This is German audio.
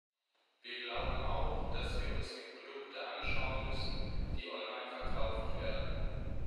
Wir glauben auch, dass wir uns die Produkte anschauen müssen, die online verkauft werden.